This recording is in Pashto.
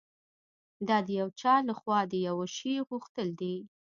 دا د یو چا لهخوا د یوه شي غوښتل دي